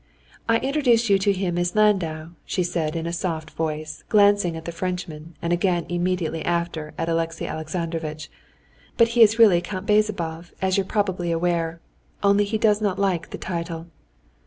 "I introduced you to him as Landau," she said in a soft voice, glancing at the Frenchman and again immediately after at Alexey Alexandrovitch, "but he is really Count Bezzubov, as you're probably aware. Only he does not like the title."